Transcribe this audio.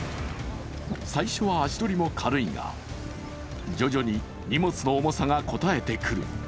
最初は足取りも軽いが、徐々に荷物の重さがこたえてくる。